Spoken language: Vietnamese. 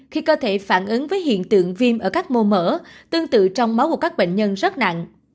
khi cơ thể phản ứng với hiện tượng viêm ở các mô mở tương tự trong máu của các bệnh nhân rất nặng